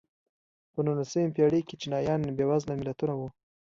په نولسمې پېړۍ کې چینایان بېوزله ملتونه وو.